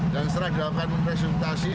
dan setelah dilakukan resultasi